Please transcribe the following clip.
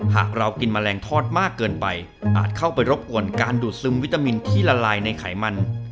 หากเรากินแมลงทอดมากเกินไปอาจเข้าไปรบกวนการดูดซึมวิตามินที่ละลายในไขมัน